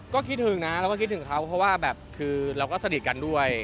ก็คิดถึงนะเราก็คิดถึงเขาเพราะว่าแบบคือเราก็สนิทกันด้วย